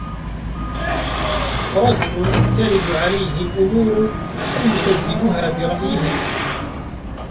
رَجُلٌ تَرِدُ عَلَيْهِ الْأُمُورُ فَيُسَدِّدُهَا بِرَأْيِهِ